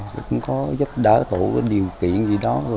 cũng có giúp đỡ tổ điều kiện gì đó